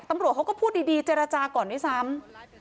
ตำรวจเขาก็พูดดีเจรจาก่อนด้วยซ้ำ